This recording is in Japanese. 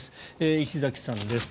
石崎さんです。